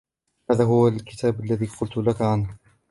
هذا هو الكتاب الذي قلت لك عنه.